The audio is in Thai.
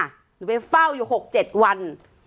หรือไปเฝ้าอยู่๖๗วัน